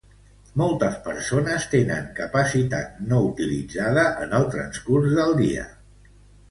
Moltes persones tenen capacitat no utilitzada en el transcurs del dia.